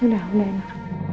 udah udah enak